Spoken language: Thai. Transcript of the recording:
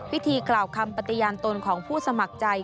พิธีกล่าวคำปฏิญาณตนของผู้สมัครใจ